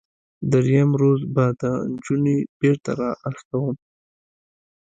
دریم روز به دا نجونې بیرته راواستوم.